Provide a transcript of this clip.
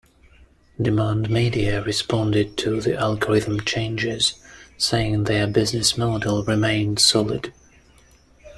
Demand Media responded to the algorithm changes, saying their business model remained solid.